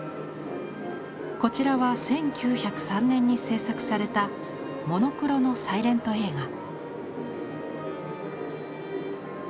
こちらは１９０３年に制作されたモノクロのサイレント映画。